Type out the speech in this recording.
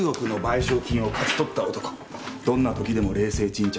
どんなときでも冷静沈着。